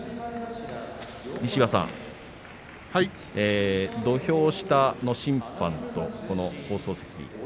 西岩さん土俵下の審判と放送席